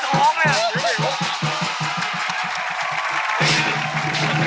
รอดแล้ว